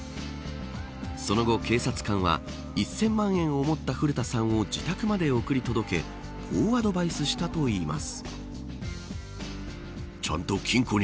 その後、警察官は１０００万円を持った古田さんを自宅まで送り届けこうアドバイスしたといいます。